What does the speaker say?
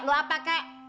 lu apa kek